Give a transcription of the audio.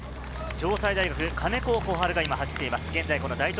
城西大学、兼子心晴が今走っています。